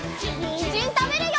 にんじんたべるよ！